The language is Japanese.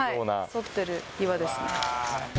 反ってる岩ですね。